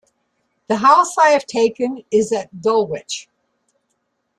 The house I have taken is at Dulwich.